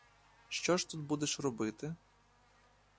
Що ж тут будеш робити?